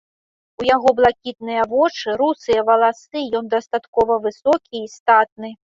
У яго блакітныя вочы, русыя валасы, ён дастаткова высокі і статны.